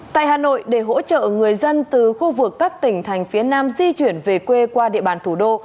tại hà nội để hỗ trợ người dân từ khu vực các tỉnh thành phía nam di chuyển về quê qua địa bàn thủ đô